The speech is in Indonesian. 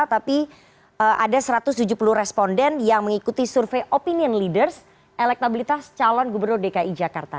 tapi ada satu ratus tujuh puluh responden yang mengikuti survei opinion leaders elektabilitas calon gubernur dki jakarta